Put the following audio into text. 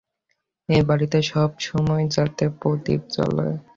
এই বাড়িতে-- সবসময় যাতে প্রদীপ জ্বলে।